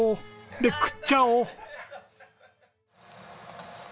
で食っちゃおう！